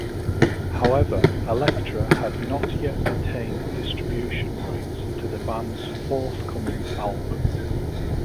However Elektra had not yet attained distribution rights to the band's forthcoming album.